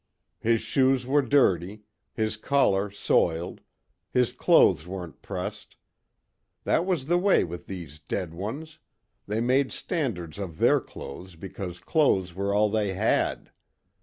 His shoes were dirty. His collar soiled. His clothes weren't pressed. That was the way with these dead ones, they made standards of their clothes because clothes were all they had.